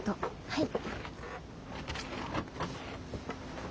はい。